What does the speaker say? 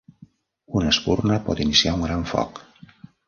Una espurna pot iniciar un gran foc.